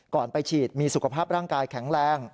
ไปฉีดมีสุขภาพร่างกายแข็งแรง